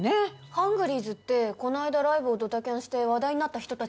ハングリーズってこの間ライブをドタキャンして話題になった人たちですよね？